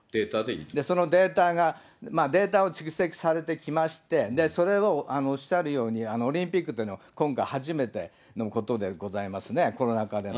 そのデータを蓄積されてきまして、それをおっしゃるように、オリンピックというのは今回初めてのことでございますね、コロナ禍での。